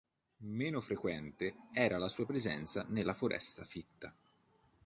Meno frequente era la sua presenza nella foresta fitta.